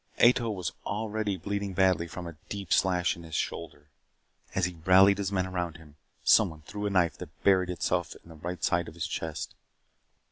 Ato was already bleeding badly from a deep slash in his shoulder. As he rallied his men around him, someone threw a knife that buried itself in the right side of his chest.